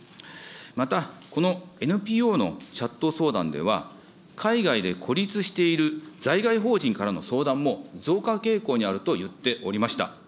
また、このＮＰＯのチャット相談では、海外で孤立している在外邦人からの相談も増加傾向にあると言っておりました。